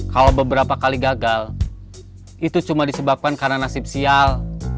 kalau beberapa kali gagal itu cuma disebabkan karena nasib sial